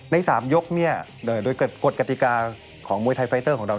ใน๓ยกโดยกฎกติกาของมวยไทรไฟเตอร์